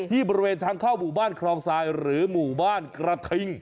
บริเวณทางเข้าหมู่บ้านคลองทรายหรือหมู่บ้านกระทิง